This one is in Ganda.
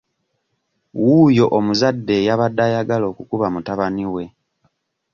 Wuuyo omuzadde eyabadde ayagala okukuba mutabani we